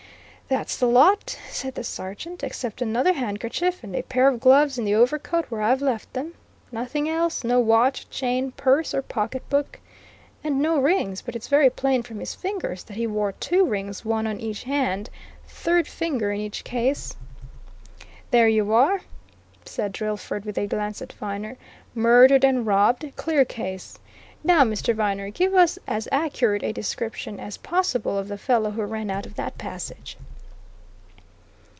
"That's the lot," said the sergeant, "except another handkerchief, and a pair of gloves in the overcoat, where I've left them. Nothing else no watch, chain, purse or pocketbook. And no rings but it's very plain from his fingers that he wore two rings one on each hand, third finger in each case." "There you are!" said Drillford with a glance at Viner. "Murdered and robbed clear case! Now, Mr. Viner, give us as accurate a description as possible of the fellow who ran out of that passage."